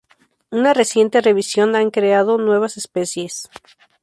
Una reciente revisión han creado nuevas especies.